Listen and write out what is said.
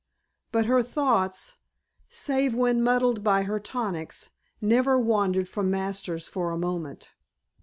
But her thoughts, save when muddled by her tonics, never wandered from Masters for a moment.